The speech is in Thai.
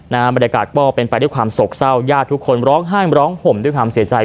บรรยากาศก็เป็นไปด้วยความโศกเศร้าญาติทุกคนร้องไห้ร้องห่มด้วยความเสียใจ